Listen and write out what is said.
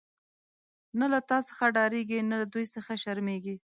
نه له تا څخه ډاریږی، نه له دوی څخه شرمیږی